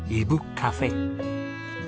カフェ。